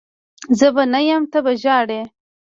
زه به نه یم ته به ژاړي